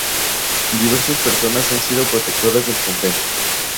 Diversas personas han sido protectoras del convento.